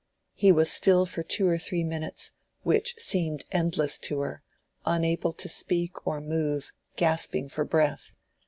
He was still for two or three minutes, which seemed endless to her, unable to speak or move, gasping for breath.